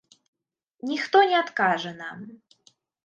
Ніхто не адкажа нам.